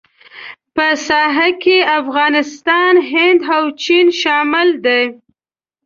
په ساحه کې افغانستان، هند او چین شامل دي.